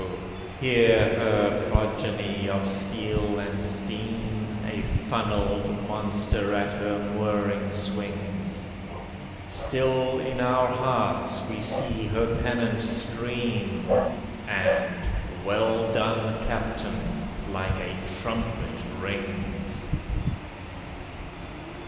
here her progeny of steel and steam, A funnelled monster at her mooring swings: Still, in our hearts, we see her pennant stream, And "Well done, 'Captain'," like a trumpet rings.